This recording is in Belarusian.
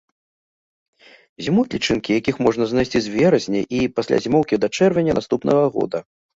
Зімуюць лічынкі, якіх можна знайсці з верасня і, пасля зімоўкі, да чэрвеня наступнага года.